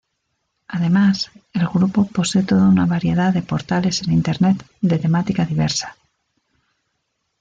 Además, el grupo posee toda una variedad de portales en Internet de temática diversa.